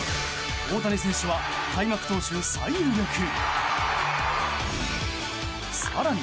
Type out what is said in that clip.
大谷選手は開幕投手最有力。